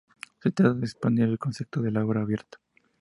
Se trata de expandir el concepto de la obra abierta.